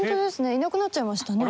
いなくなっちゃいましたね。